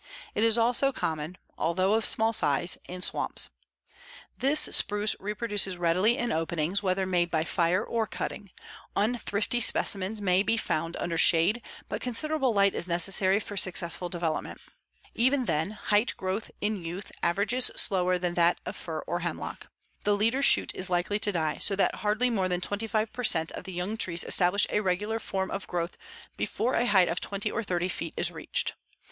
It is also common, although of small size, in swamps. This spruce reproduces readily in openings, whether made by fire or cutting. Unthrifty specimens may be found under shade, but considerable light is necessary for successful development. Even then, height growth in youth averages slower than that of fir or hemlock. The leader shoot is likely to die, so that hardly more than 25 per cent of the young trees establish a regular form of growth before a height of 20 or 30 feet is reached.